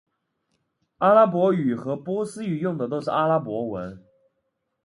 阿拉伯语和波斯语用的都是阿拉伯文。